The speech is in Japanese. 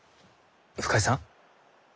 深井さん。